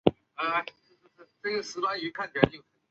导演兼监制仅任导演仅任监制